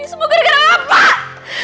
ini semua gara gara bapak